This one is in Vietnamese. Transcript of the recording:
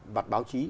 bạt báo chí